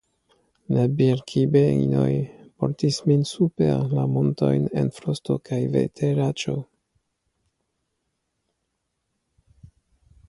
La Birkibejnoj portis min super la montojn en frosto kaj veteraĉo.